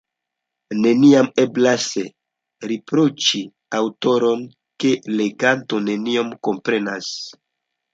Neniam eblas riproĉi aŭtoron, ke leganto nenion komprenas.